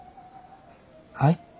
はい？